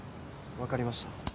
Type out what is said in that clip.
分かりました